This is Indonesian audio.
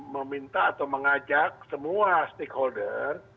meminta atau mengajak semua stakeholder